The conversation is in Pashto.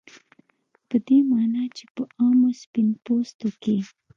په دې معنا چې په عامو سپین پوستو کې